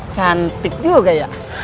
cantik juga ya